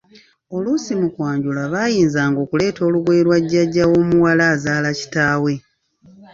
Oluusi mu kwanjula baayinzanga okuleeta olugoye lwa Jjajja w’omuwala azaala kitaawe.